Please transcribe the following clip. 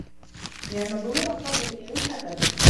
لِأَنَّ ظُهُورَ الْفَضْلِ يُثِيرُ الْحَسَدَ